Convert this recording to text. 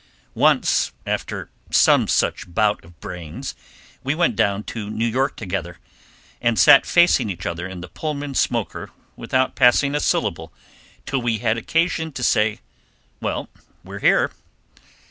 Once, after some such bout of brains, we went down to New York together, and sat facing each other in the Pullman smoker without passing a syllable till we had occasion to say, "Well, we're there."